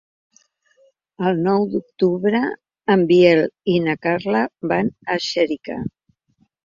El nou d'octubre en Biel i na Carla van a Xèrica.